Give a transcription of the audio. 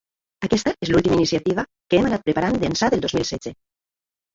Aquesta és l’última iniciativa, que hem anat preparant d’ençà del dos mil setze.